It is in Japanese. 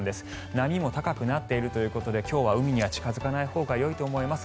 波も高くなっているということで今日は海には近付かないほうがいいと思います。